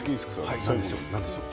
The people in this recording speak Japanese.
はい何でしょう？